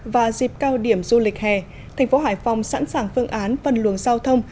và dịp cao điểm du lịch hè thành phố hải phòng sẵn sàng phương án phân luồng giao thông